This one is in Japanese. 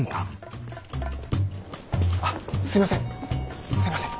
あっすいませんすいません。